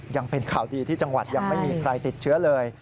ยังเป็นข่าวดีที่จังหวัดยังไม่มีใครติดเชื้อเลย